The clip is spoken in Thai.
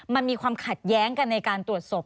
มันมีความขัดแย้งกันในการตรวจศพ